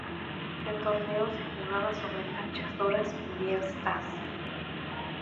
El torneo se jugaba sobre canchas duras cubiertas.